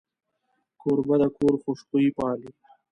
کوربه د کور خوشبويي پالي.